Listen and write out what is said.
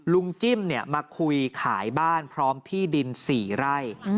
ลุงจิ้มเนี่ยมาคุยขายบ้านพร้อมที่ดิน๔ไร่